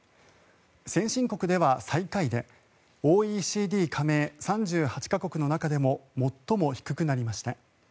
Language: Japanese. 先進国では最下位でＯＥＣＤ加盟３８か国の中でも最も低くなりました。